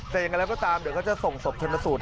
แต่อย่างนั้นแล้วก็ตามเดี๋ยวเขาจะส่งศพชนสูตร